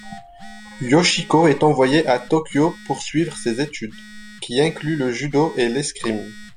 Yoshiko est envoyée à Tokyo poursuivre ses études, qui incluent le judo et l'escrime.